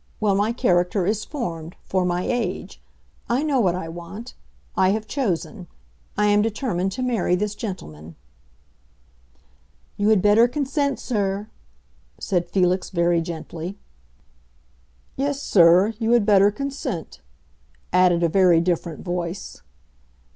Well, my character is formed—for my age. I know what I want; I have chosen. I am determined to marry this gentleman." "You had better consent, sir," said Felix very gently. "Yes, sir, you had better consent," added a very different voice.